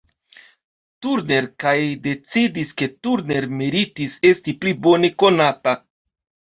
Turner kaj decidis ke Turner meritis esti pli bone konata.